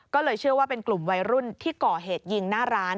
ก็เลยเชื่อว่าเป็นกลุ่มวัยรุ่นที่ก่อเหตุยิงหน้าร้าน